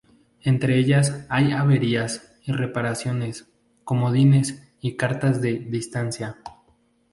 Entre ellas hay "averías", Reparaciones, Comodines, y cartas de "distancia.